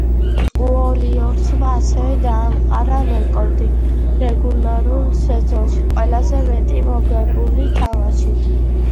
უორიორსმა ასევე დაამყარა რეკორდი, რეგულარულ სეზონში ყველაზე მეტი მოგებული თამაშით.